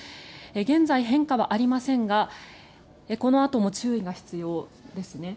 現在、変化はありませんがこのあとも注意が必要ですね。